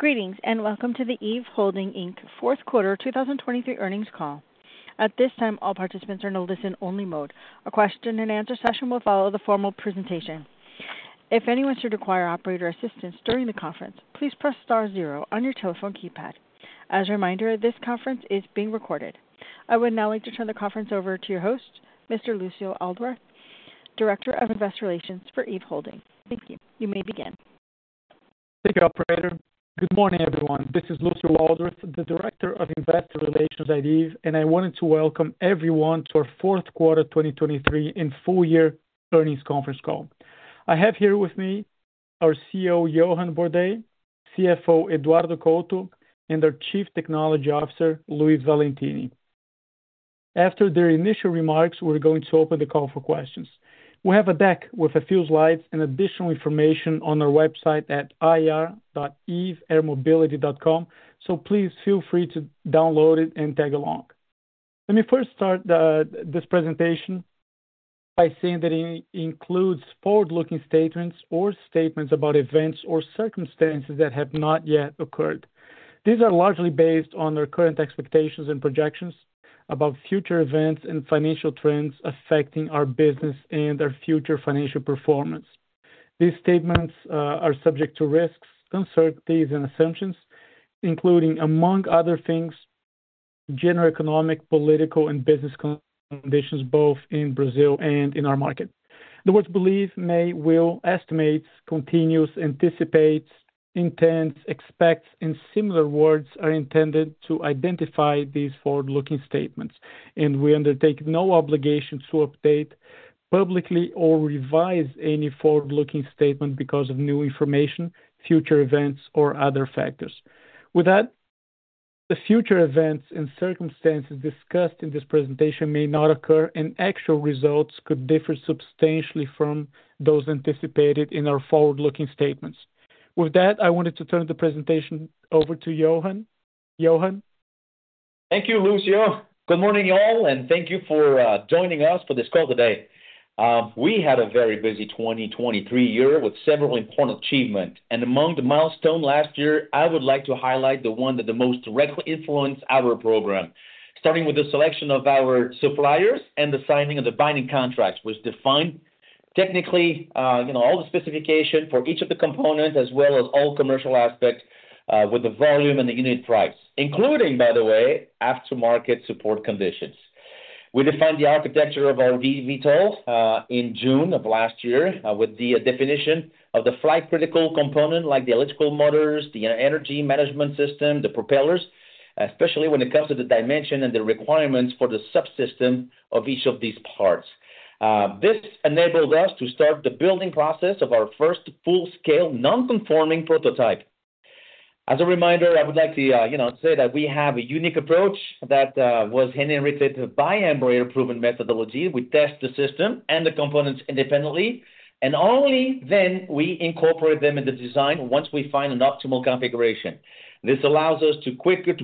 Greetings and welcome to the Eve Holding, Inc. fourth quarter 2023 earnings call. At this time, all participants are in a listen-only mode. A question-and-answer session will follow the formal presentation. If anyone should require operator assistance during the conference, please press star zero on your telephone keypad. As a reminder, this conference is being recorded. I would now like to turn the conference over to your host, Mr. Lucio Aldworth, Director of Investor Relations for Eve Holding. Thank you. You may begin. Thank you, Operator. Good morning, everyone. This is Lucio Aldworth, the Director of Investor Relations at Eve, and I wanted to welcome everyone to our fourth quarter 2023 and full-year earnings conference call. I have here with me our CEO, Johann Bordais; CFO, Eduardo Couto; and our Chief Technology Officer, Luiz Valentini. After their initial remarks, we're going to open the call for questions. We have a deck with a few slides and additional information on our website at ir.eveairmobility.com, so please feel free to download it and tag along. Let me first start this presentation by saying that it includes forward-looking statements or statements about events or circumstances that have not yet occurred. These are largely based on our current expectations and projections about future events and financial trends affecting our business and our future financial performance. These statements are subject to risks, uncertainties, and assumptions, including, among other things, general economic, political, and business conditions both in Brazil and in our market. The words "believe," "may," "will," "estimates," "continues," "anticipates," "intends," "expects," and similar words are intended to identify these forward-looking statements, and we undertake no obligation to update publicly or revise any forward-looking statement because of new information, future events, or other factors. With that, the future events and circumstances discussed in this presentation may not occur, and actual results could differ substantially from those anticipated in our forward-looking statements. With that, I wanted to turn the presentation over to Johann. Johann? Thank you, Lucio. Good morning, y'all, and thank you for joining us for this call today. We had a very busy 2023 year with several important achievements, and among the milestones last year, I would like to highlight the one that the most directly influenced our program. Starting with the selection of our suppliers and the signing of the binding contracts, which defined technically all the specification for each of the components as well as all commercial aspects with the volume and the unit price, including, by the way, aftermarket support conditions. We defined the architecture of our VTOL in June of last year with the definition of the flight-critical component like the electrical motors, the energy management system, the propellers, especially when it comes to the dimension and the requirements for the subsystem of each of these parts. This enabled us to start the building process of our first full-scale non-conforming prototype. As a reminder, I would like to say that we have a unique approach that was hindered by Embraer-proven methodology. We test the system and the components independently, and only then we incorporate them in the design once we find an optimal configuration. This allows us to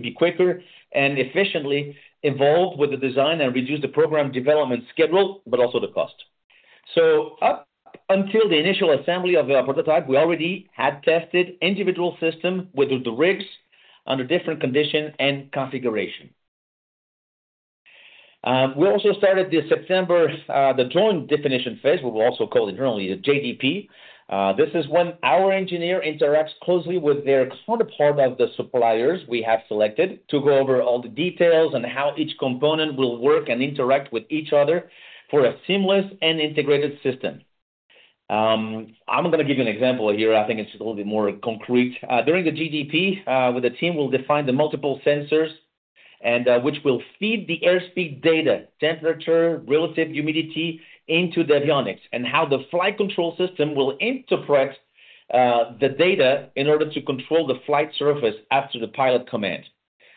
be quicker and efficiently involved with the design and reduce the program development schedule but also the cost. So up until the initial assembly of our prototype, we already had tested individual systems with the rigs under different conditions and configurations. We also started the joint definition phase, what we also call internally the JDP. This is when our engineer interacts closely with their counterpart of the suppliers we have selected to go over all the details and how each component will work and interact with each other for a seamless and integrated system. I'm going to give you an example here. I think it's a little bit more concrete. During the JDP, with the team, we'll define the multiple sensors which will feed the airspeed data, temperature, relative humidity, into the avionics, and how the flight control system will interpret the data in order to control the flight surface after the pilot command.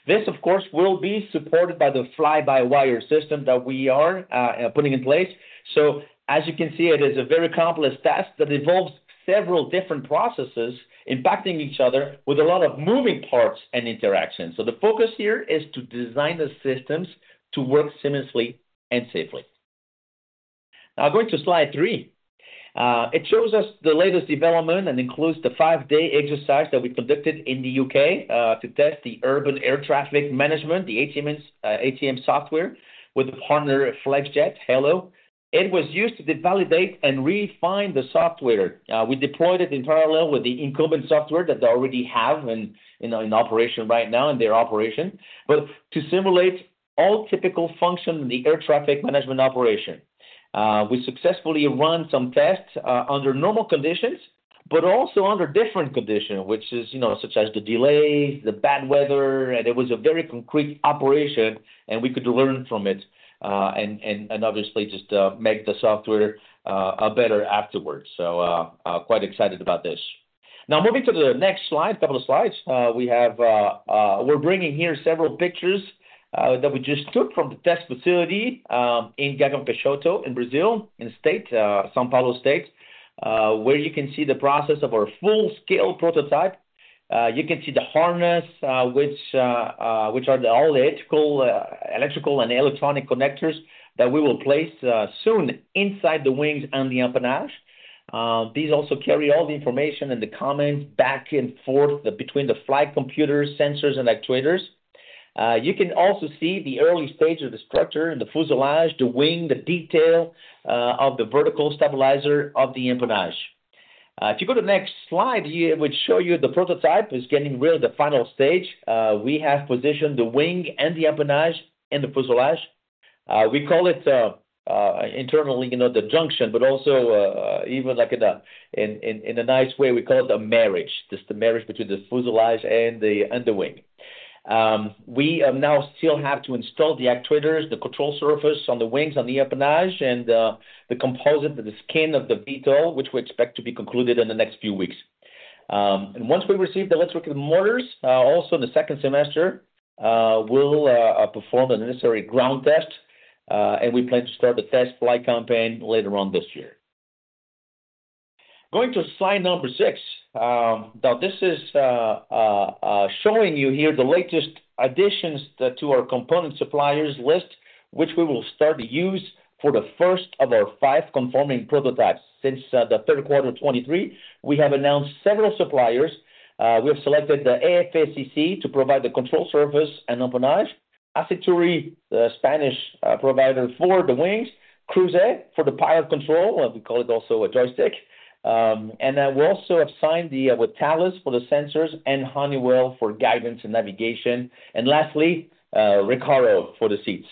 This, of course, will be supported by the fly-by-wire system that we are putting in place. So as you can see, it is a very complex task that involves several different processes impacting each other with a lot of moving parts and interactions. So the focus here is to design the systems to work seamlessly and safely. Now, going to slide three. It shows us the latest development and includes the five-day exercise that we conducted in the UK to test the urban air traffic management, the ATM software, with the partner Flexjet Halo. It was used to validate and refine the software. We deployed it in parallel with the incumbent software that they already have in operation right now in their operation, but to simulate all typical functions in the air traffic management operation. We successfully ran some tests under normal conditions but also under different conditions, such as the delays, the bad weather, and it was a very concrete operation, and we could learn from it and obviously just make the software better afterwards. So quite excited about this. Now, moving to the next slide, a couple of slides, we're bringing here several pictures that we just took from the test facility in Gavião Peixoto, in Brazil, in São Paulo State, where you can see the process of our full-scale prototype. You can see the harness, which are all the electrical and electronic connectors that we will place soon inside the wings and the empennage. These also carry all the information and the commands back and forth between the flight computers, sensors, and actuators. You can also see the early stage of the structure and the fuselage, the wing, the detail of the vertical stabilizer of the empennage. If you go to the next slide, it would show you the prototype is getting really the final stage. We have positioned the wing and the empennage in the fuselage. We call it internally the junction, but also even in a nice way, we call it the marriage, just the marriage between the fuselage and the wing. We now still have to install the actuators, the control surface on the wings, on the empennage, and the composite, the skin of the VTOL, which we expect to be concluded in the next few weeks. And once we receive the electrical motors, also in the second semester, we'll perform the necessary ground test, and we plan to start the test flight campaign later on this year. Going to slide number 6. Now, this is showing you here the latest additions to our component suppliers list, which we will start to use for the first of our 5 conforming prototypes. Since the third quarter of '23, we have announced several suppliers. We have selected the FACC to provide the control surface and empennage, Aciturri, the Spanish provider for the wings, Moog for the pilot control. We call it also a joystick. Then we also have signed with Thales for the sensors and Honeywell for guidance and navigation. Lastly, Recaro for the seats.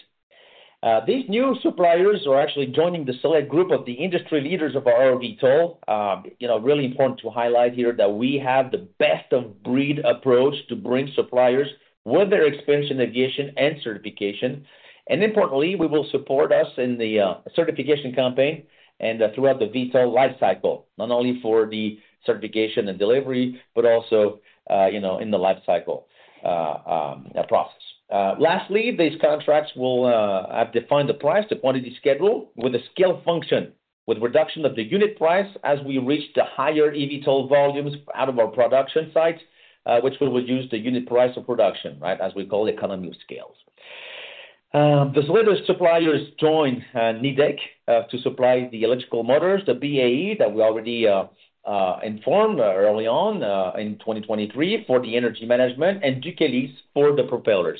These new suppliers are actually joining the select group of the industry leaders of our VTOL. Really important to highlight here that we have the best-of-breed approach to bring suppliers with their experience in aviation and certification. Importantly, they will support us in the certification campaign and throughout the VTOL lifecycle, not only for the certification and delivery but also in the lifecycle process. Lastly, these contracts will have defined the price, the quantity schedule with a scale function, with reduction of the unit price as we reach the higher eVTOL volumes out of our production sites, which we will use the unit price of production, right, as we call economies of scale. Those latest suppliers join Nidec to supply the electrical motors, the BAE that we already informed early on in 2023 for the energy management, and DUC Hélices for the propellers.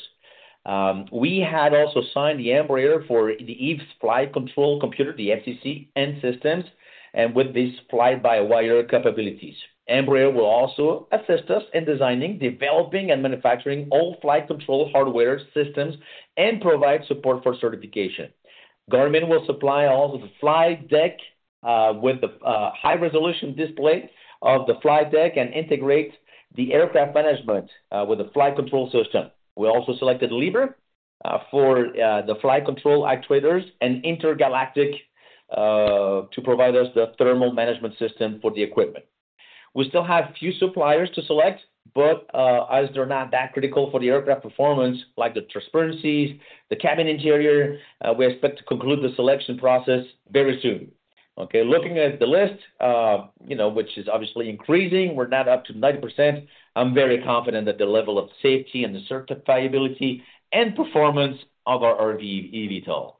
We had also signed with Embraer for Eve's flight control computer, the FCC, and systems, and with these fly-by-wire capabilities. Embraer will also assist us in designing, developing, and manufacturing all flight control hardware systems and provide support for certification. Garmin will supply also the flight deck with the high-resolution display of the flight deck and integrate the aircraft management with the flight control system. We also selected Liebherr for the flight control actuators and Intergalactic to provide us the thermal management system for the equipment. We still have a few suppliers to select, but as they're not that critical for the aircraft performance, like the transparencies, the cabin interior, we expect to conclude the selection process very soon. Okay, looking at the list, which is obviously increasing, we're now up to 90%. I'm very confident at the level of safety and the certifiability and performance of our eVTOL.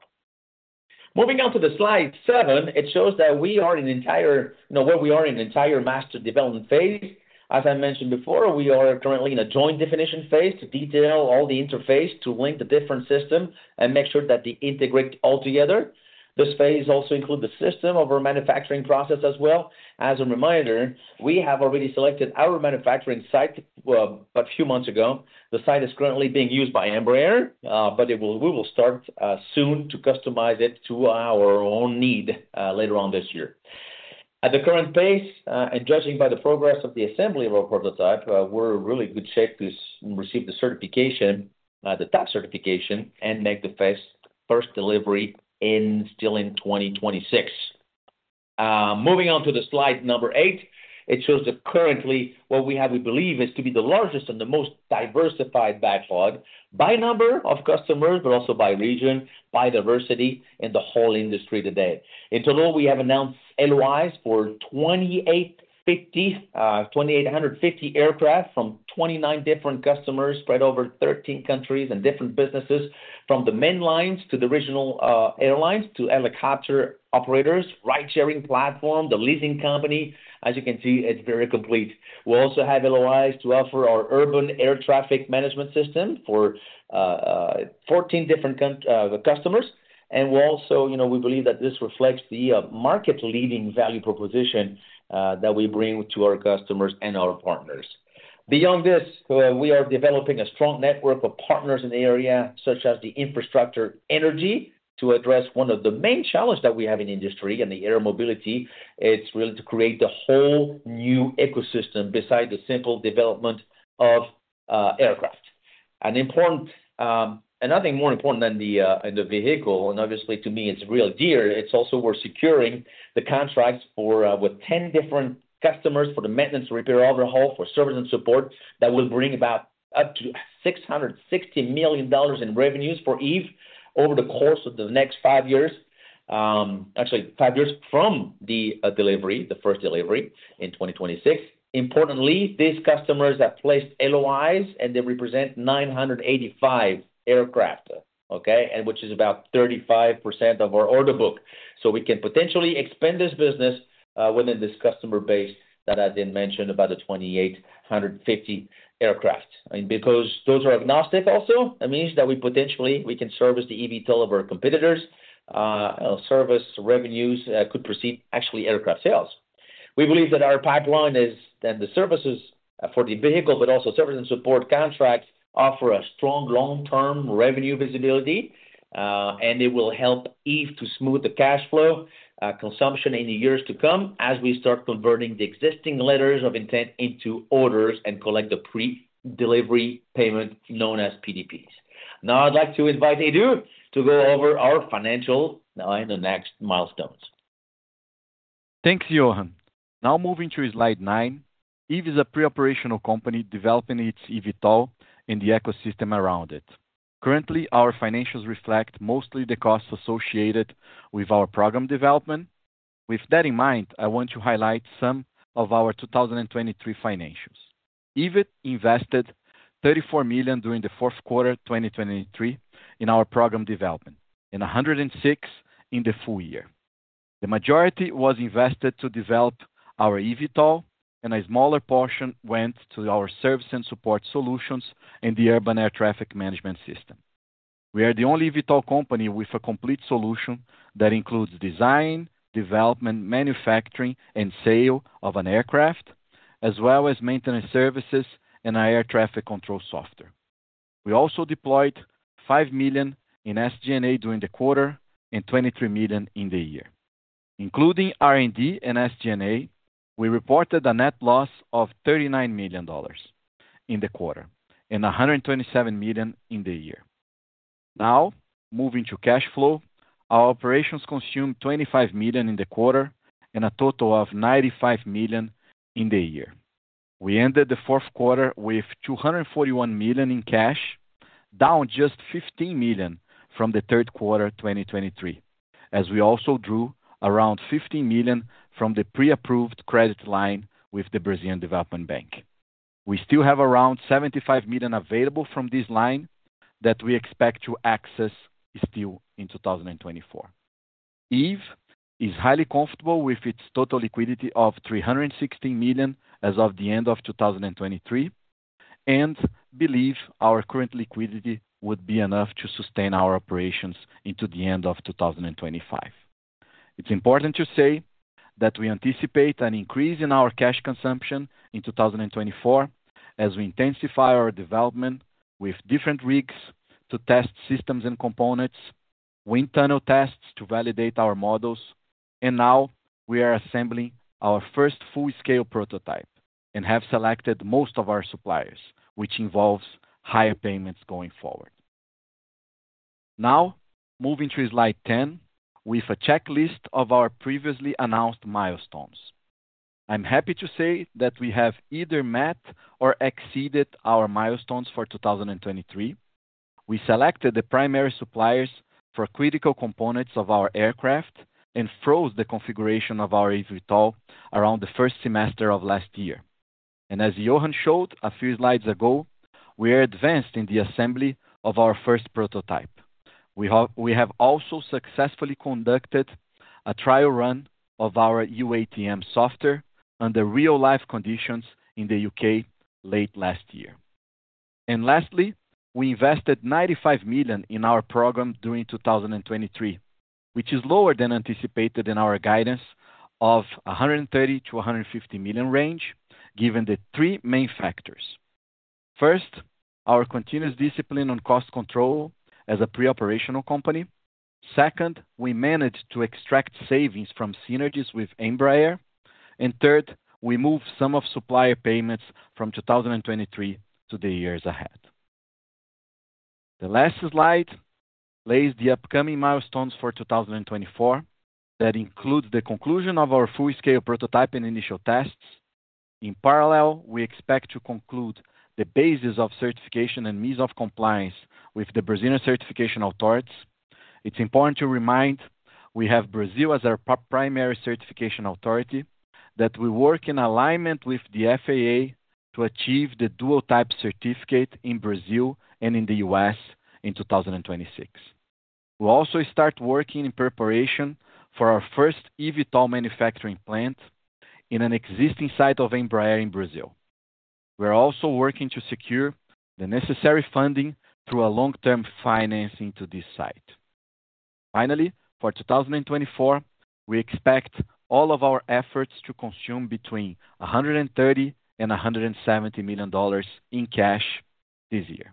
Moving on to Slide 7, it shows that we are in an era where we are in the entire master development phase. As I mentioned before, we are currently in a joint definition phase to detail all the interface to link the different system and make sure that they integrate altogether. This phase also includes the system of our manufacturing process as well. As a reminder, we have already selected our manufacturing site a few months ago. The site is currently being used by Embraer, but we will start soon to customize it to our own need later on this year. At the current pace, and judging by the progress of the assembly of our prototype, we're in really good shape to receive the certification, the Type certification, and make the first delivery still in 2026. Moving on to the slide number eight, it shows that currently what we have we believe is to be the largest and the most diversified backlog by number of customers, but also by region, by diversity, in the whole industry today. In total, we have announced LOIs for 2,850 aircraft from 29 different customers spread over 13 countries and different businesses, from the mainlines to the regional airlines to helicopter operators, ride-sharing platform, the leasing company. As you can see, it's very complete. We also have LOIs to offer our urban air traffic management system for 14 different customers, and we believe that this reflects the market-leading value proposition that we bring to our customers and our partners. Beyond this, we are developing a strong network of partners in the area, such as the infrastructure energy, to address one of the main challenges that we have in industry and the air mobility. It's really to create the whole new ecosystem beside the simple development of aircraft. Nothing more important than the vehicle, and obviously, to me, it's really dear. It's also we're securing the contracts with 10 different customers for the maintenance, repair, overhaul, for service and support that will bring about up to $660 million in revenues for Eve over the course of the next five years actually, five years from the delivery, the first delivery in 2026. Importantly, these customers have placed LOIs, and they represent 985 aircraft, okay, which is about 35% of our order book. So we can potentially expand this business within this customer base that I didn't mention about the 2,850 aircraft. And because those are agnostic also, that means that potentially we can service the eVTOL of our competitors, service revenues could proceed, actually, aircraft sales. We believe that our pipeline is then the services for the vehicle, but also service and support contracts offer a strong long-term revenue visibility, and it will help Eve to smooth the cash flow consumption in the years to come as we start converting the existing letters of intent into orders and collect the pre-delivery payment known as PDPs. Now, I'd like to invite Eduardo to go over our financial now and the next milestones. Thanks, Johann. Now moving to slide 9, Eve is a pre-operational company developing its eVTOL and the ecosystem around it. Currently, our financials reflect mostly the costs associated with our program development. With that in mind, I want to highlight some of our 2023 financials. Eve invested $34 million during the fourth quarter 2023 in our program development and $106 million in the full year. The majority was invested to develop our eVTOL, and a smaller portion went to our service and support solutions and the urban air traffic management system. We are the only eVTOL company with a complete solution that includes design, development, manufacturing, and sale of an aircraft, as well as maintenance services and our air traffic control software. We also deployed $5 million in SG&A during the quarter and $23 million in the year. Including R&D and SG&A, we reported a net loss of $39 million in the quarter and $127 million in the year. Now, moving to cash flow, our operations consume $25 million in the quarter and a total of $95 million in the year. We ended the fourth quarter with $241 million in cash, down just $15 million from the third quarter 2023, as we also drew around $15 million from the pre-approved credit line with the Brazilian Development Bank. We still have around $75 million available from this line that we expect to access still in 2024. Eve is highly comfortable with its total liquidity of $316 million as of the end of 2023 and believes our current liquidity would be enough to sustain our operations into the end of 2025. It's important to say that we anticipate an increase in our cash consumption in 2024 as we intensify our development with different rigs to test systems and components, wind tunnel tests to validate our models, and now we are assembling our first full-scale prototype and have selected most of our suppliers, which involves higher payments going forward. Now, moving to slide 10 with a checklist of our previously announced milestones. I'm happy to say that we have either met or exceeded our milestones for 2023. We selected the primary suppliers for critical components of our aircraft and froze the configuration of our eVTOL around the first semester of last year. As Johann showed a few slides ago, we are advanced in the assembly of our first prototype. We have also successfully conducted a trial run of our UATM software under real-life conditions in the U.K. late last year. And lastly, we invested $95 million in our program during 2023, which is lower than anticipated in our guidance of $130 million-$150 million range given the three main factors. First, our continuous discipline on cost control as a pre-operational company. Second, we managed to extract savings from synergies with Embraer. And third, we moved some of supplier payments from 2023 to the years ahead. The last slide lays the upcoming milestones for 2024 that include the conclusion of our full-scale prototype and initial tests. In parallel, we expect to conclude the basis of certification and means of compliance with the Brazilian certification authorities. It's important to remind we have Brazil as our primary certification authority, that we work in alignment with the FAA to achieve the dual Type Certificate in Brazil and in the US in 2026. We'll also start working in preparation for our first eVTOL manufacturing plant in an existing site of Embraer in Brazil. We're also working to secure the necessary funding through a long-term finance into this site. Finally, for 2024, we expect all of our efforts to consume between $130 million-$170 million in cash this year.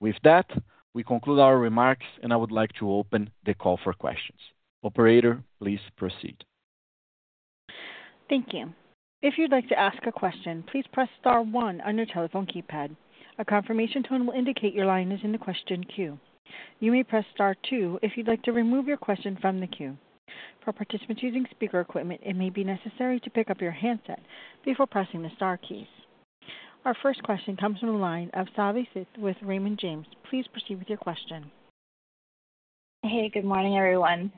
With that, we conclude our remarks, and I would like to open the call for questions. Operator, please proceed. Thank you. If you'd like to ask a question, please press star one on your telephone keypad. A confirmation tone will indicate your line is in the question queue. You may press star two if you'd like to remove your question from the queue. For participants using speaker equipment, it may be necessary to pick up your handset before pressing the star keys. Our first question comes from the line of Savanthi Syth with Raymond James. Please proceed with your question. Hey, good morning, everyone.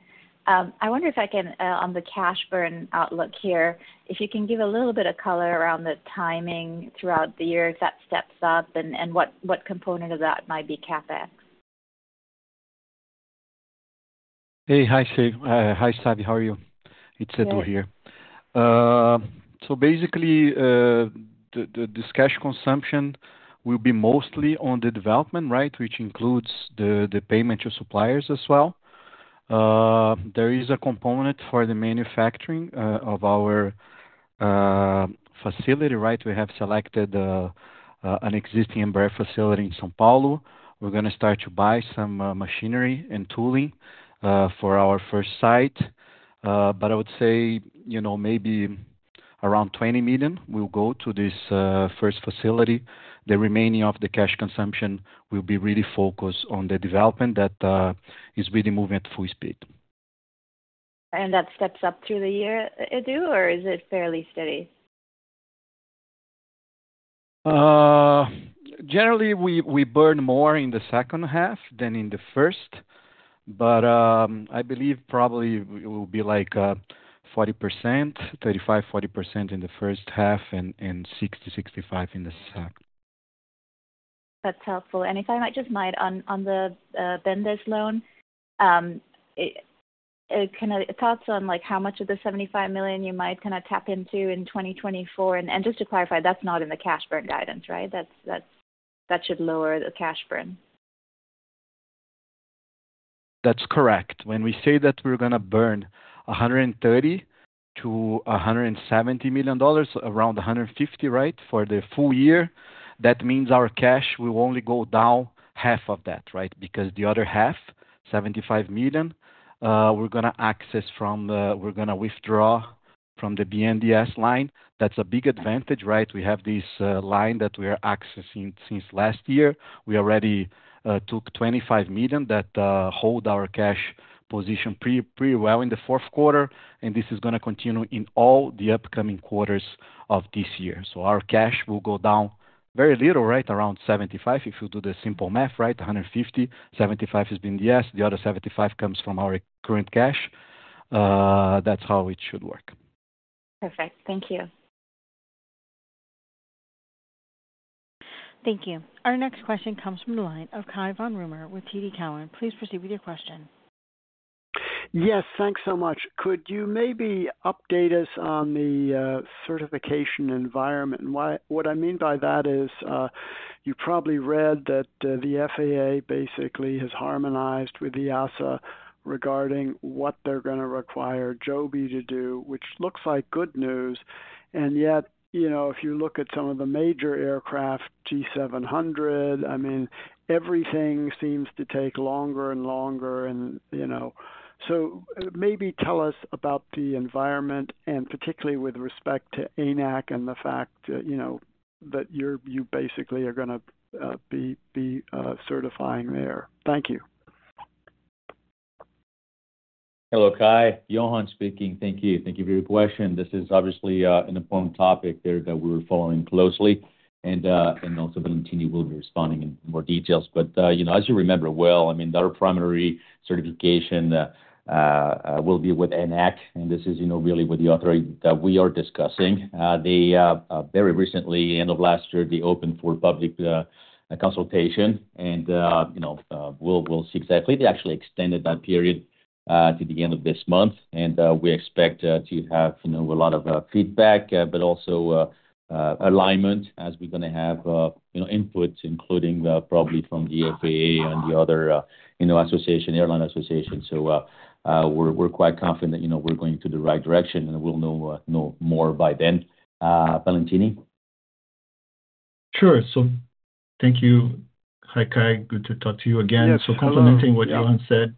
I wonder if I can, on the cash burn outlook here, if you can give a little bit of color around the timing throughout the year, if that steps up, and what component of that might be CapEx? Hey, hi Savanthi. How are you? It's Eduardo here. So basically, this cash consumption will be mostly on the development, right, which includes the payment to suppliers as well. There is a component for the manufacturing of our facility, right? We have selected an existing Embraer facility in São Paulo. We're going to start to buy some machinery and tooling for our first site. But I would say maybe around $20 million will go to this first facility. The remaining of the cash consumption will be really focused on the development that is really moving at full speed. That steps up through the year, Eduardo, or is it fairly steady? Generally, we burn more in the second half than in the first. But I believe probably it will be like 35%-40% in the first half and 60%-65% in the second. That's helpful. If I might just mind, on the BNDES loan, kind of thoughts on how much of the $75 million you might kind of tap into in 2024? Just to clarify, that's not in the cash burn guidance, right? That should lower the cash burn. That's correct. When we say that we're going to burn $130 million-$170 million, around $150 million, right, for the full year, that means our cash will only go down half of that, right? Because the other half, $75 million, we're going to access from we're going to withdraw from the BNDES line. That's a big advantage, right? We have this line that we are accessing since last year. We already took $25 million that hold our cash position pretty well in the fourth quarter, and this is going to continue in all the upcoming quarters of this year. So our cash will go down very little, right, around $75 million if you do the simple math, right? $150 million, $75 million is BNDES. The other $75 million comes from our current cash. That's how it should work. Perfect. Thank you. Thank you. Our next question comes from the line of Cai von Rumohr with TD Cowen. Please proceed with your question. Yes, thanks so much. Could you maybe update us on the certification environment? And what I mean by that is you probably read that the FAA basically has harmonized with the EASA regarding what they're going to require Joby to do, which looks like good news. And yet, if you look at some of the major aircraft, G700, I mean, everything seems to take longer and longer. And so maybe tell us about the environment, and particularly with respect to ANAC and the fact that you basically are going to be certifying there. Thank you. Hello, Cai. Johann speaking. Thank you. Thank you for your question. This is obviously an important topic there that we were following closely. Also Valentini will be responding in more details. As you remember well, I mean, our primary certification will be with ANAC, and this is really with the authority that we are discussing. Very recently, end of last year, they opened for public consultation, and we'll see exactly. They actually extended that period to the end of this month, and we expect to have a lot of feedback, but also alignment as we're going to have input, including probably from the FAA and the other association, airline association. So we're quite confident that we're going the right direction, and we'll know more by then. Valentini? Sure. So thank you, hi Cai. Good to talk to you again. So complementing what Johann said,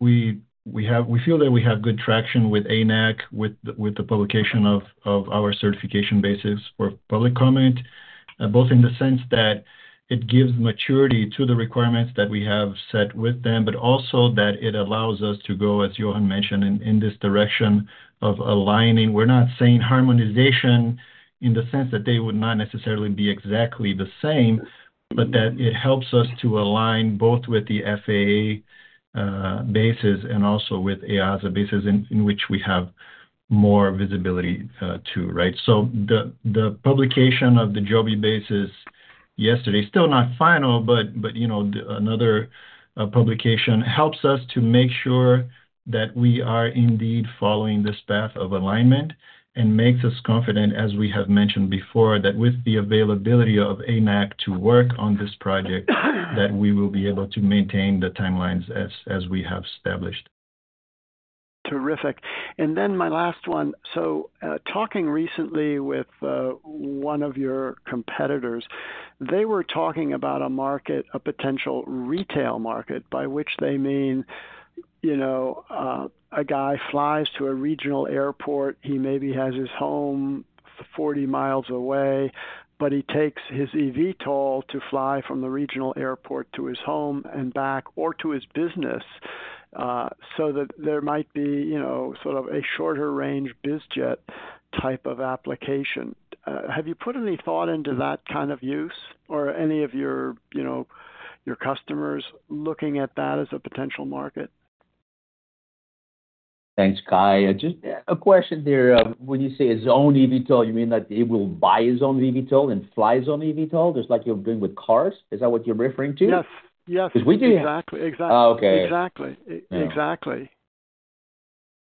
we feel that we have good traction with ANAC with the publication of our certification basis for public comment, both in the sense that it gives maturity to the requirements that we have set with them, but also that it allows us to go, as Johann mentioned, in this direction of aligning. We're not saying harmonization in the sense that they would not necessarily be exactly the same, but that it helps us to align both with the FAA basis and also with EASA basis in which we have more visibility to, right? The publication of the Joby basis yesterday, still not final, but another publication helps us to make sure that we are indeed following this path of alignment and makes us confident, as we have mentioned before, that with the availability of ANAC to work on this project, that we will be able to maintain the timelines as we have established. Terrific. And then my last one. So talking recently with one of your competitors, they were talking about a market, a potential retail market, by which they mean a guy flies to a regional airport. He maybe has his home 40 miles away, but he takes his eVTOL to fly from the regional airport to his home and back or to his business so that there might be sort of a shorter-range bizjet type of application. Have you put any thought into that kind of use or any of your customers looking at that as a potential market? Thanks, Cai. Just a question there. When you say own eVTOL, you mean that they will buy own eVTOL and fly own eVTOL just like you're doing with cars? Is that what you're referring to? Yes. Yes. Exactly. Exactly. Exactly. Exactly.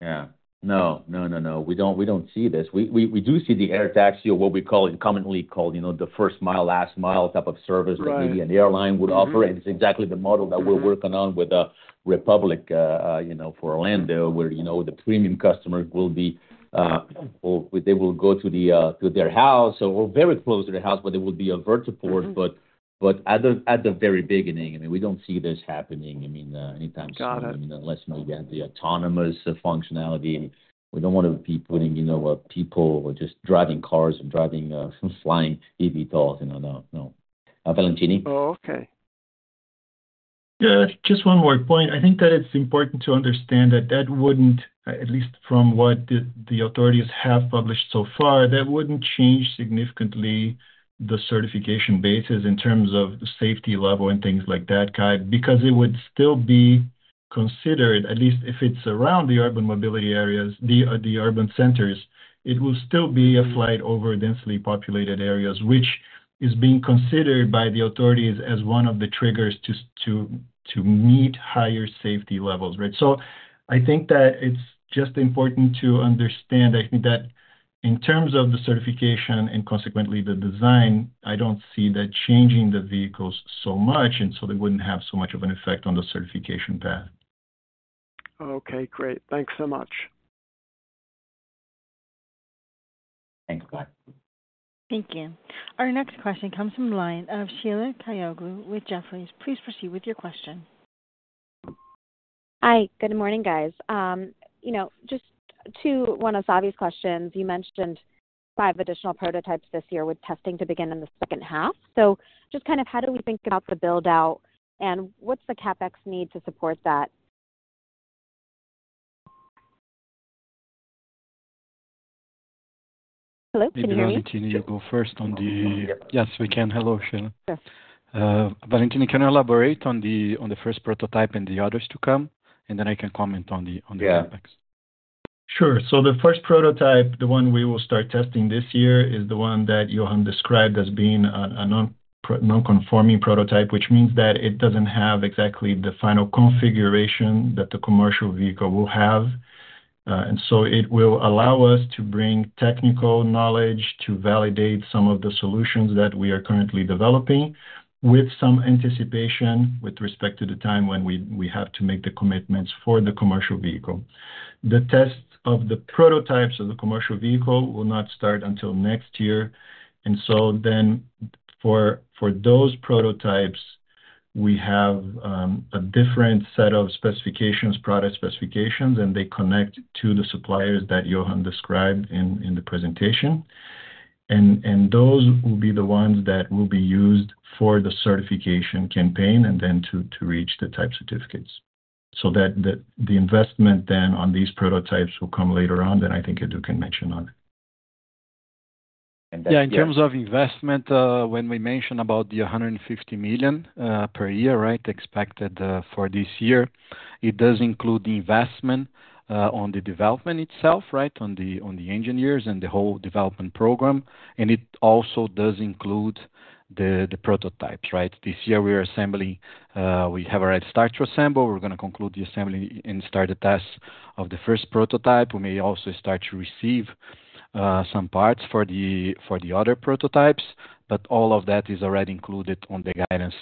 Yeah. No, no, no, no. We don't see this. We do see the air taxi, what we call, commonly called the first mile, last mile type of service that maybe an airline would offer. And it's exactly the model that we're working on with Republic for Orlando, where the premium customers will be they will go to their house or very close to their house, but there will be a vertiport. But at the very beginning, I mean, we don't see this happening, I mean, anytime soon. I mean, unless you have the autonomous functionality. We don't want to be putting people just driving cars and flying eVTOLs. No, no. Valentini? Oh, okay. Just one more point. I think that it's important to understand that that wouldn't, at least from what the authorities have published so far, that wouldn't change significantly the certification basis in terms of the safety level and things like that, Cai, because it would still be considered, at least if it's around the urban mobility areas, the urban centers, it will still be a flight over densely populated areas, which is being considered by the authorities as one of the triggers to meet higher safety levels, right? So I think that it's just important to understand, I think, that in terms of the certification and consequently the design, I don't see that changing the vehicles so much, and so they wouldn't have so much of an effect on the certification path. Okay. Great. Thanks so much. Thanks, Cai. Thank you. Our next question comes from the line of Sheila Kahyaoglu with Jefferies. Please proceed with your question. Hi. Good morning, guys. Just to one of Savanthi's questions, you mentioned five additional prototypes this year with testing to begin in the second half. So just kind of how do we think about the build-out, and what's the CapEx need to support that? Hello? Can you hear me? Valentini, you go first on the yes, we can. Hello, Sheila. Sure. Valentini, can you elaborate on the first prototype and the others to come? And then I can comment on the CapEx. Sure. So the first prototype, the one we will start testing this year, is the one that Johann described as being a non-conforming prototype, which means that it doesn't have exactly the final configuration that the commercial vehicle will have. And so it will allow us to bring technical knowledge to validate some of the solutions that we are currently developing with some anticipation with respect to the time when we have to make the commitments for the commercial vehicle. The tests of the prototypes of the commercial vehicle will not start until next year. And so then for those prototypes, we have a different set of specifications, product specifications, and they connect to the suppliers that Johann described in the presentation. And those will be the ones that will be used for the certification campaign and then to reach the type certificates. The investment then on these prototypes will come later on, that I think Eduardo can mention on. Yeah, in terms of investment, when we mention about the $150 million per year, right, expected for this year, it does include the investment on the development itself, right, on the engineers and the whole development program. And it also does include the prototypes, right? This year, we have already started to assemble. We're going to conclude the assembly and start the tests of the first prototype. We may also start to receive some parts for the other prototypes. But all of that is already included on the guidance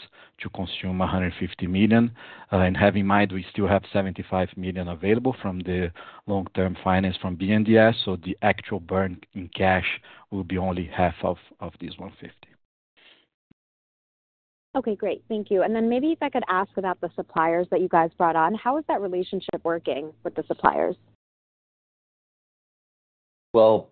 to consume $150 million. And have in mind, we still have $75 million available from the long-term finance from BNDES. So the actual burn in cash will be only half of this 150. Okay. Great. Thank you. And then maybe if I could ask about the suppliers that you guys brought on, how is that relationship working with the suppliers? Well.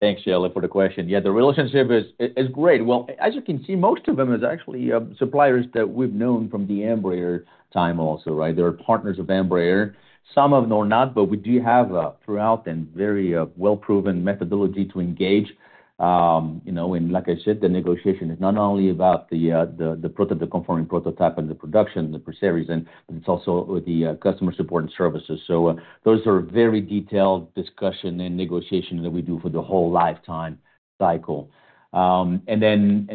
Thanks, Sheila, for the question. Yeah, the relationship is great. Well, as you can see, most of them are actually suppliers that we've known from the Embraer time also, right? They're partners of Embraer. Some of them are not, but we do have throughout them very well-proven methodology to engage. And like I said, the negotiation is not only about the conforming prototype and the production, the pre-series, but it's also the customer support and services. So those are very detailed discussion and negotiation that we do for the whole lifetime cycle. And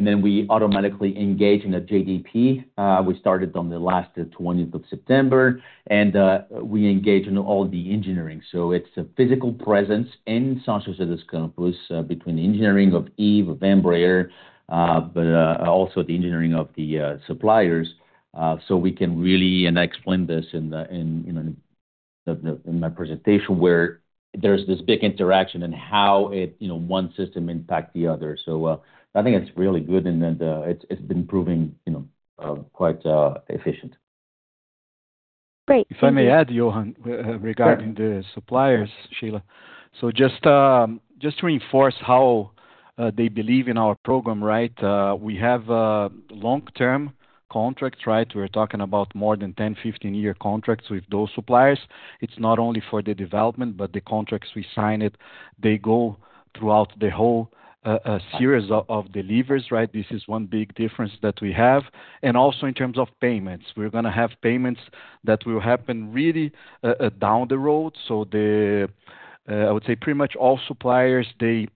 then we automatically engage in a JDP. We started on the last 20th of September, and we engage in all the engineering. So it's a physical presence in São José dos Campos between the engineering of Eve, of Embraer, but also the engineering of the suppliers. So we can really, and I explained this in my presentation where there's this big interaction and how one system impacts the other. So I think it's really good, and it's been proving quite efficient. Great. If I may add, Johann, regarding the suppliers, Sheila. So just to reinforce how they believe in our program, right, we have long-term contracts, right? We're talking about more than 10-15-year contracts with those suppliers. It's not only for the development, but the contracts we signed, they go throughout the whole series of deliveries, right? This is one big difference that we have. And also in terms of payments, we're going to have payments that will happen really down the road. So I would say pretty much all suppliers, they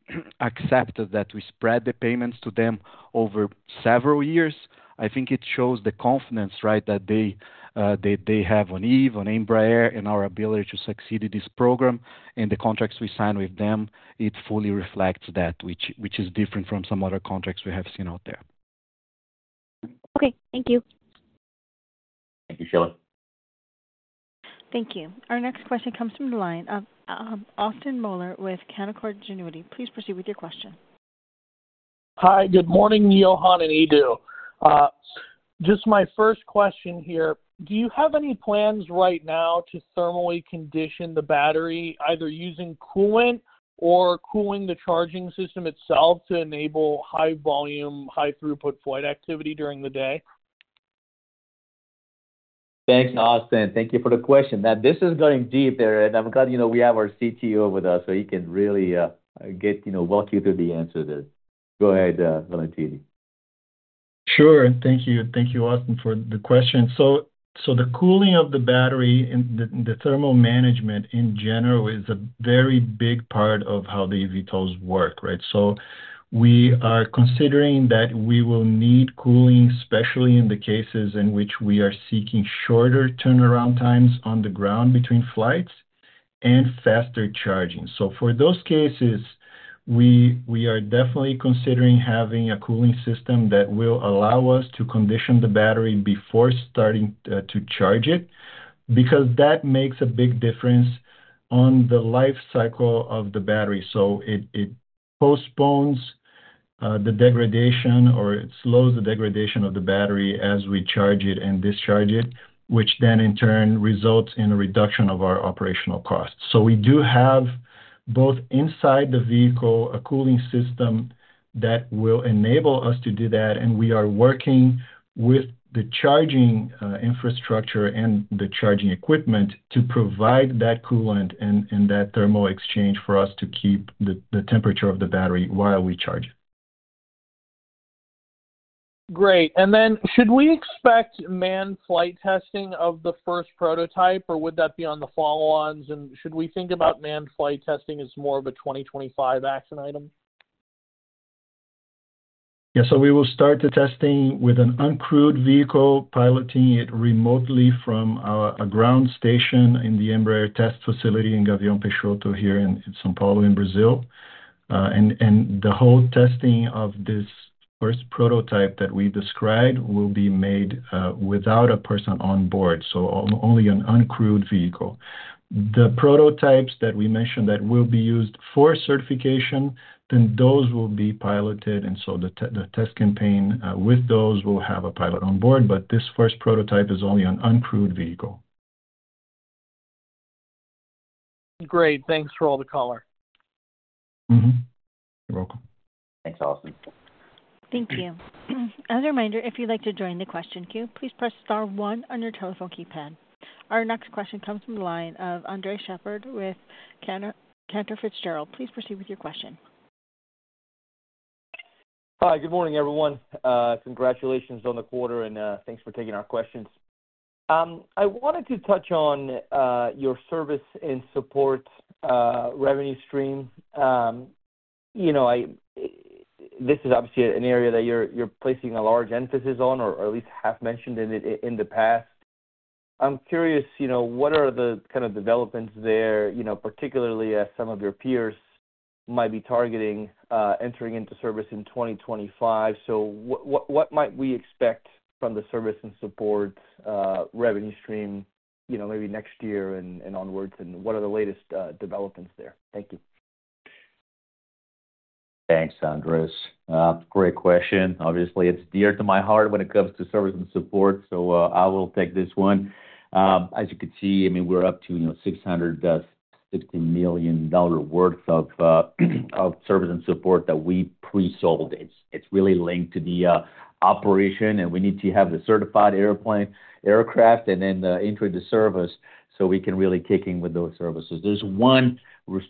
accepted that we spread the payments to them over several years. I think it shows the confidence, right, that they have on Eve, on Embraer, and our ability to succeed in this program. And the contracts we sign with them, it fully reflects that, which is different from some other contracts we have seen out there. Okay. Thank you. Thank you, Sheila. Thank you. Our next question comes from the line of Austin Moeller with Canaccord Genuity. Please proceed with your question. Hi. Good morning, Johann and Eduardo. Just my first question here. Do you have any plans right now to thermally condition the battery, either using coolant or cooling the charging system itself to enable high-volume, high-throughput flight activity during the day? Thanks, Austin. Thank you for the question. This is going deep there, and I'm glad we have our CTO with us so he can really walk you through the answer there. Go ahead, Valentini. Sure. Thank you. Thank you, Austin, for the question. So the cooling of the battery and the thermal management in general is a very big part of how the eVTOLs work, right? So we are considering that we will need cooling, especially in the cases in which we are seeking shorter turnaround times on the ground between flights and faster charging. So for those cases, we are definitely considering having a cooling system that will allow us to condition the battery before starting to charge it because that makes a big difference on the life cycle of the battery. So it postpones the degradation or it slows the degradation of the battery as we charge it and discharge it, which then in turn results in a reduction of our operational costs. So we do have both inside the vehicle a cooling system that will enable us to do that, and we are working with the charging infrastructure and the charging equipment to provide that coolant and that thermal exchange for us to keep the temperature of the battery while we charge it. Great. And then should we expect manned flight testing of the first prototype, or would that be on the follow-ons? And should we think about manned flight testing as more of a 2025 action item? Yeah. So we will start the testing with an uncrewed vehicle piloting it remotely from a ground station in the Embraer test facility in Gavião Peixoto here in São Paulo, in Brazil. And the whole testing of this first prototype that we described will be made without a person on board, so only an uncrewed vehicle. The prototypes that we mentioned that will be used for certification, then those will be piloted. And so the test campaign with those will have a pilot on board, but this first prototype is only an uncrewed vehicle. Great. Thanks for all the color. You're welcome. Thanks, Austin. Thank you. As a reminder, if you'd like to join the question queue, please press star one on your telephone keypad. Our next question comes from the line of Andres Sheppard with Cantor Fitzgerald. Please proceed with your question. Hi. Good morning, everyone. Congratulations on the quarter, and thanks for taking our questions. I wanted to touch on your service and support revenue stream. This is obviously an area that you're placing a large emphasis on or at least have mentioned in the past. I'm curious, what are the kind of developments there, particularly as some of your peers might be targeting entering into service in 2025? So what might we expect from the service and support revenue stream maybe next year and onwards? And what are the latest developments there? Thank you. Thanks, Andres. Great question. Obviously, it's dear to my heart when it comes to service and support, so I will take this one. As you can see, I mean, we're up to $660 million worth of service and support that we pre-sold. It's really linked to the operation, and we need to have the certified aircraft and then enter into service so we can really kick in with those services. There's one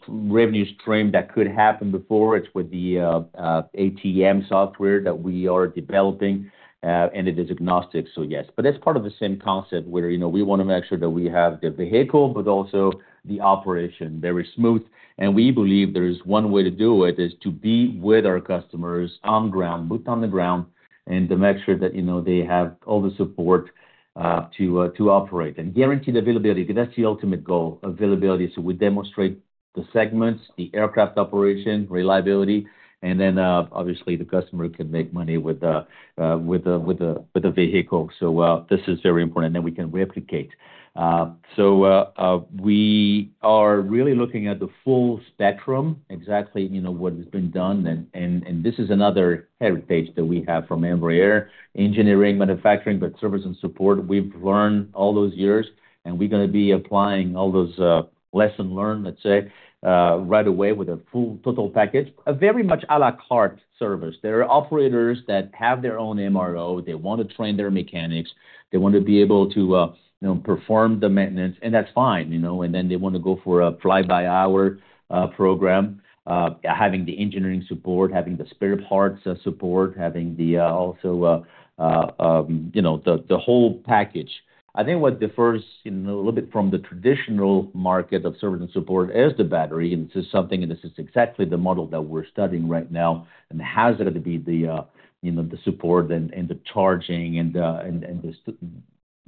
revenue stream that could happen before. It's with the ATM software that we are developing, and it is agnostic. So yes. But that's part of the same concept where we want to make sure that we have the vehicle but also the operation very smooth. We believe there is one way to do it: to be with our customers on the ground, boots on the ground, and to make sure that they have all the support to operate and guaranteed availability. Because that's the ultimate goal, availability. So we demonstrate the segments, the aircraft operation, reliability, and then obviously, the customer can make money with the vehicle. So this is very important, and then we can replicate. So we are really looking at the full spectrum, exactly what has been done. And this is another heritage that we have from Embraer: engineering, manufacturing, but service and support. We've learned all those years, and we're going to be applying all those lessons learned, let's say, right away with a full total package, a very much à la carte service. There are operators that have their own MRO. They want to train their mechanics. They want to be able to perform the maintenance, and that's fine. And then they want to go for a fly-by-hour program, having the engineering support, having the spare parts support, having also the whole package. I think what differs a little bit from the traditional market of service and support is the battery. And this is something and this is exactly the model that we're studying right now. And how is it going to be the support and the charging and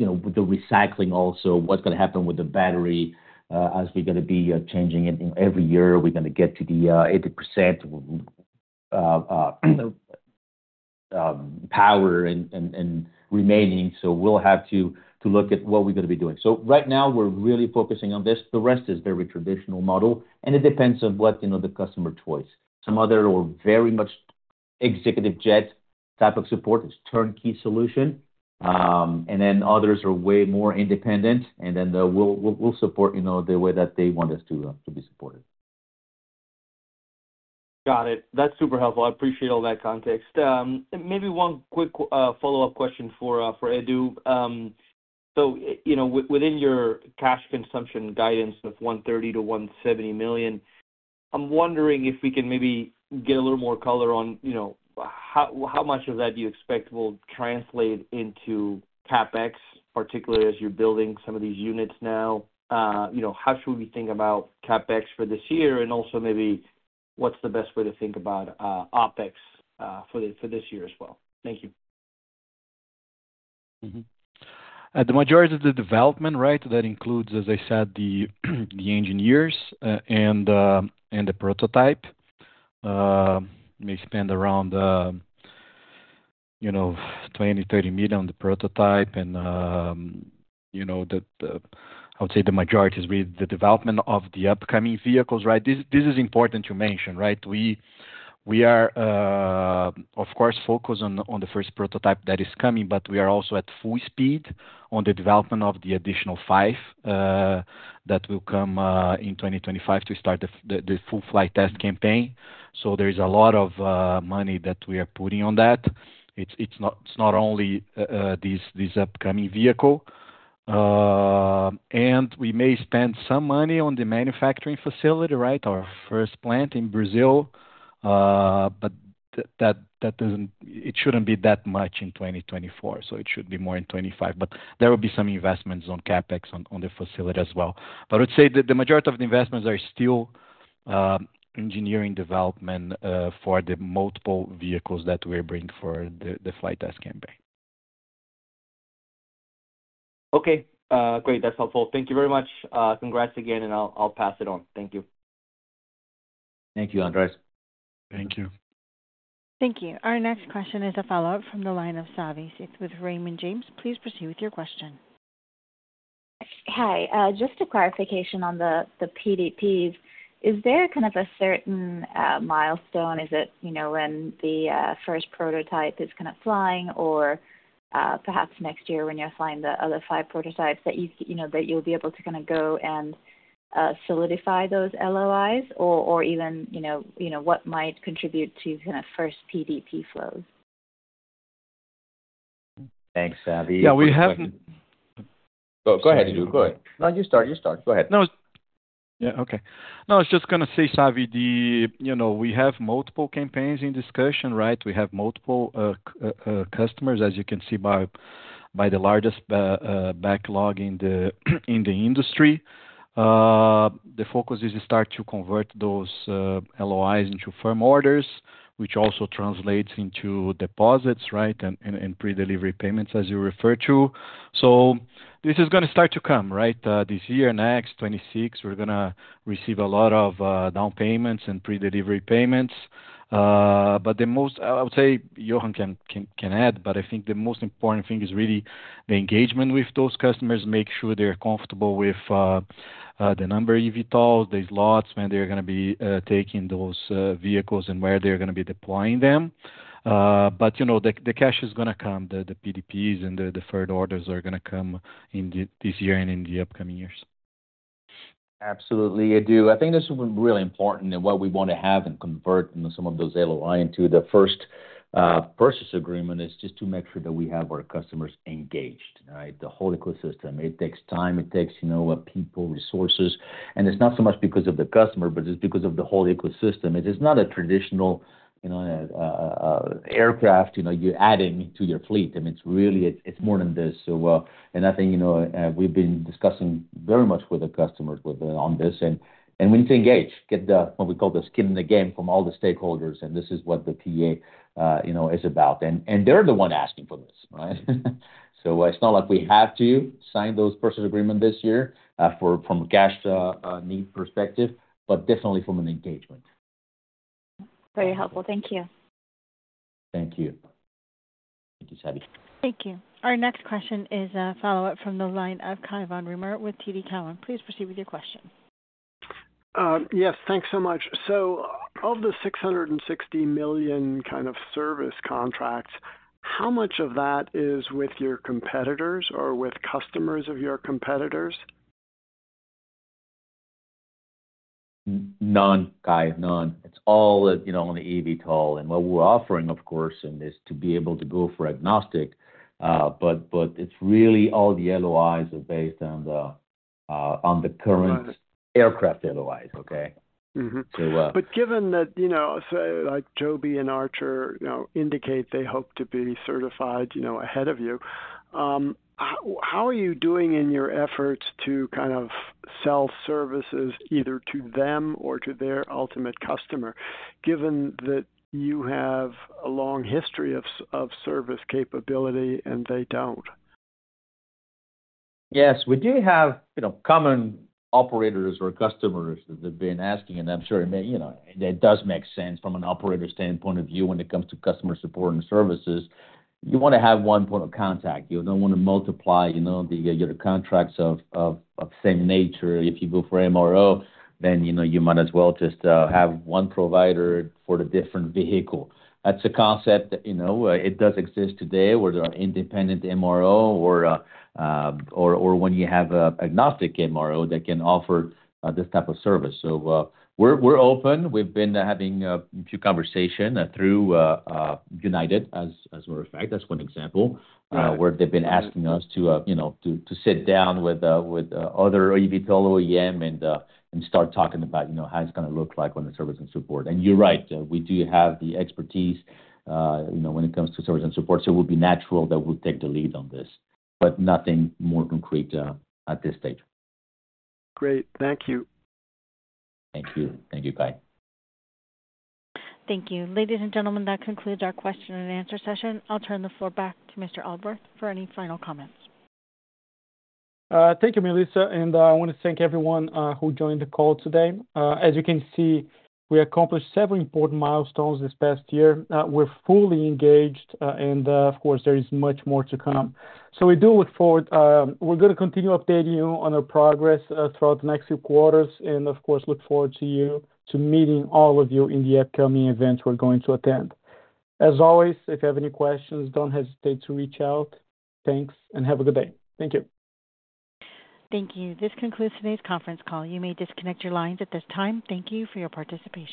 the recycling also, what's going to happen with the battery as we're going to be changing it every year? We're going to get to the 80% power remaining. So we'll have to look at what we're going to be doing. So right now, we're really focusing on this. The rest is very traditional model, and it depends on what the customer choice. Some other are very much executive jet type of support. It's turnkey solution. Then others are way more independent, and then we'll support the way that they want us to be supported. Got it. That's super helpful. I appreciate all that context. Maybe one quick follow-up question for Eduardo. So within your cash consumption guidance of $130 million-$170 million, I'm wondering if we can maybe get a little more color on how much of that you expect will translate into CapEx, particularly as you're building some of these units now. How should we think about CapEx for this year? And also maybe what's the best way to think about OpEx for this year as well? Thank you. The majority of the development, right, that includes, as I said, the engineers and the prototype may spend around $20 million-$30 million on the prototype. And I would say the majority is really the development of the upcoming vehicles, right? This is important to mention, right? We are, of course, focused on the first prototype that is coming, but we are also at full speed on the development of the additional five that will come in 2025 to start the full flight test campaign. So there is a lot of money that we are putting on that. It's not only this upcoming vehicle. And we may spend some money on the manufacturing facility, right, our first plant in Brazil, but it shouldn't be that much in 2024. So it should be more in 2025. But there will be some investments on CapEx on the facility as well. I would say the majority of the investments are still engineering development for the multiple vehicles that we bring for the flight test campaign. Okay. Great. That's helpful. Thank you very much. Congrats again, and I'll pass it on. Thank you. Thank you, Andres. Thank you. Thank you. Our next question is a follow-up from the line of Savanthi Syth with Raymond James. Please proceed with your question. Hi. Just a clarification on the PDPs. Is there kind of a certain milestone? Is it when the first prototype is kind of flying, or perhaps next year when you're flying the other five prototypes that you'll be able to kind of go and solidify those LOIs? Or even what might contribute to kind of first PDP flows? Thanks, Savvy. Yeah. We haven't. Go ahead, Eduardo. Go ahead. No, you start. You start. Go ahead. No. Yeah. Okay. No, I was just going to say, Savvy, we have multiple campaigns in discussion, right? We have multiple customers, as you can see by the largest backlog in the industry. The focus is to start to convert those LOIs into firm orders, which also translates into deposits, right, and pre-delivery payments, as you refer to. So this is going to start to come, right? This year, next, 2026, we're going to receive a lot of down payments and pre-delivery payments. But I would say Johann can add, but I think the most important thing is really the engagement with those customers, make sure they're comfortable with the number of eVTOLs, the slots when they're going to be taking those vehicles, and where they're going to be deploying them. But the cash is going to come. The PDPs and the third orders are going to come this year and in the upcoming years. Absolutely, Eduardo. I think this is really important and what we want to have and convert some of those LOI into. The first purchase agreement is just to make sure that we have our customers engaged, right? The whole ecosystem. It takes time. It takes people, resources. And it's not so much because of the customer, but it's because of the whole ecosystem. It's not a traditional aircraft you add into your fleet. I mean, it's more than this. And I think we've been discussing very much with the customers on this. And when you say engage, get what we call the skin in the game from all the stakeholders. And this is what the PA is about. And they're the one asking for this, right? So it's not like we have to sign those purchase agreements this year from a cash need perspective, but definitely from an engagement. Very helpful. Thank you. Thank you. Thank you, Savanthi. Thank you. Our next question is a follow-up from the line of Cai von Rumohr with TD Cowen. Please proceed with your question. Yes. Thanks so much. So of the $660 million kind of service contracts, how much of that is with your competitors or with customers of your competitors? None. Cai, none. It's all on the eVTOL. And what we're offering, of course, is to be able to go for agnostic. But it's really all the LOIs are based on the current aircraft LOIs, okay? But given that like Joby and Archer indicate they hope to be certified ahead of you, how are you doing in your efforts to kind of sell services either to them or to their ultimate customer, given that you have a long history of service capability and they don't? Yes. We do have common operators or customers that have been asking, and I'm sure it does make sense from an operator standpoint of view when it comes to customer support and services. You want to have one point of contact. You don't want to multiply the other contracts of same nature. If you go for MRO, then you might as well just have one provider for the different vehicle. That's a concept that it does exist today where there are independent MRO or when you have an agnostic MRO that can offer this type of service. So we're open. We've been having a few conversations through United, as a matter of fact. That's one example where they've been asking us to sit down with other eVTOL OEM and start talking about how it's going to look like on the service and support. And you're right. We do have the expertise when it comes to service and support. So it would be natural that we'll take the lead on this, but nothing more concrete at this stage. Great. Thank you. Thank you. Thank you, Cai. Thank you. Ladies and gentlemen, that concludes our question and answer session. I'll turn the floor back to Mr. Aldworth for any final comments. Thank you, Melissa. I want to thank everyone who joined the call today. As you can see, we accomplished several important milestones this past year. We're fully engaged, and of course, there is much more to come. We do look forward, we're going to continue updating you on our progress throughout the next few quarters and, of course, look forward to meeting all of you in the upcoming events we're going to attend. As always, if you have any questions, don't hesitate to reach out. Thanks, and have a good day. Thank you. Thank you. This concludes today's conference call. You may disconnect your lines at this time. Thank you for your participation.